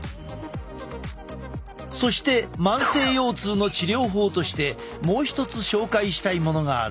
そして慢性腰痛の治療法としてもう一つ紹介したいものがある。